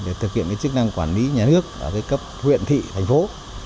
để thực hiện chức năng quản lý nhà nước ở cấp huyện thị thành phố